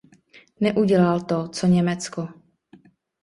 Neudělal to, co Německo.